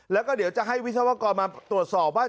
แล้วก็เดี๋ยวจะให้วิศวกรมาตรวจสอบว่า